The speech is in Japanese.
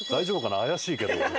怪しいけど。